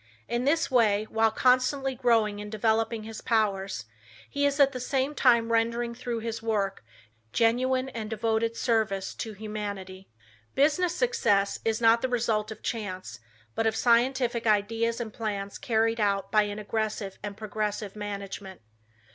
In this way, while constantly growing and developing his powers, he is at the same time rendering through his work, genuine and devoted service to humanity. Business success is not the result of chance, but of scientific ideas and plans carried out by an aggressive and progressive management.